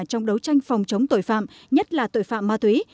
trong đấu tranh phòng chống tội phạm nhất là tội phạm ma túy